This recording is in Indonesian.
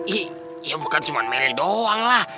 iya bukan cuman meli doang lah